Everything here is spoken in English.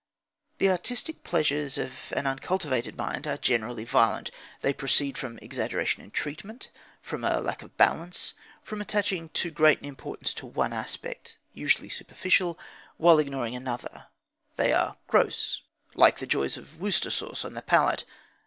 The artistic pleasures of an uncultivated mind are generally violent. They proceed from exaggeration in treatment, from a lack of balance, from attaching too great an importance to one aspect (usually superficial), while quite ignoring another. They are gross, like the joy of Worcester sauce on the palate.